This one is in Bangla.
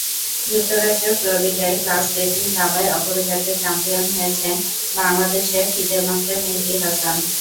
যুক্তরাষ্ট্রের ফ্লোরিডায় ক্লাস রেটিং দাবায় অপরাজিত চ্যাম্পিয়ন হয়েছেন বাংলাদেশের ফিদে মাস্টার মেহেদী হাসান।